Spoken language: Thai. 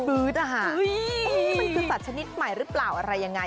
มันคือสัตว์ชนิดใหม่หรือเปล่าอะไรยังไง